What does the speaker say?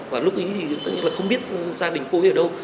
và lúc ý thì tất nhiên là không biết gia đình cô ấy ở đâu